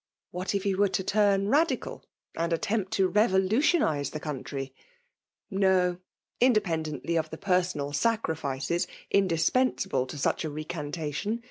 What if he were to turn ttadiral, and attempt to rev<dutu>nise tho country ? No !— ^independently of the peisomd saerificea indispensable to such a recantation.